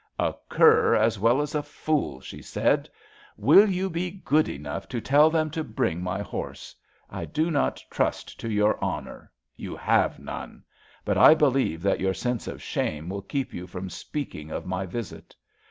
A cur as well as a fool! " she said. Will you be good enough to tell them to bring my horse t I do not trust to your honour — ^you have none — but I believe that your sense of shame will keep you from speaking of my visit."